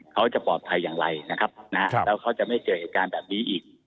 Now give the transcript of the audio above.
เขาจะปลอดภัยอย่างไรนะครับนะฮะแล้วเขาจะไม่เจอเหตุการณ์แบบนี้อีก